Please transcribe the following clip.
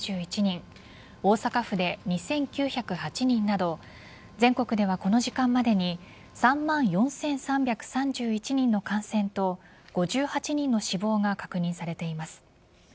大阪府で２９０８人など全国ではこの時間までに３万４３３１人の感染と５８人の死亡が確認されています。